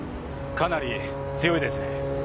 かなり強いですね。